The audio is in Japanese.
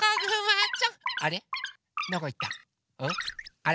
あれ？